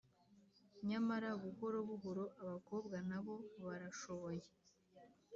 Nyamara buhoro buhoro, abakobwa na bo barashoboye